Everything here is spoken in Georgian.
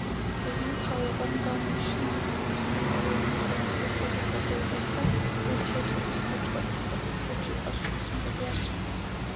იგი მთავრობამ დაინიშნა, ამერიკის საკოლონიზაციო საზოგადოებასთან ურთიერთობის გაწყვეტის საკითხებში პასუხისმგებლად.